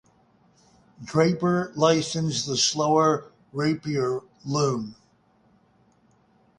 Draper licensed the slower rapier loom.